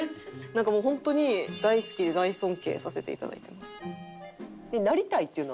なんかもう本当に大好きで大尊敬させていただいてます。